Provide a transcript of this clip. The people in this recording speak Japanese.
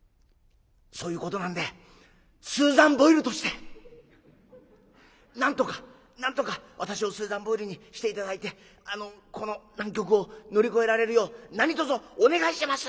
そういうことなんでスーザン・ボイルとしてなんとかなんとか私をスーザン・ボイルにして頂いてあのこの難局を乗り越えられるよう何とぞお願いします。